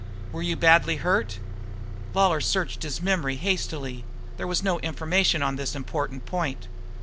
"Were you badly hurt?" Lawlor searched his memory hastily; there was no information on this important point.